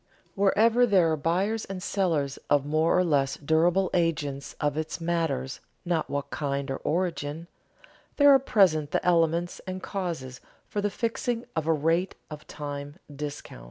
Wherever there are buyers and sellers of more or less durable agents of it matters not what kind or origin, there are present the elements and causes for the fixing of a rate of time discount.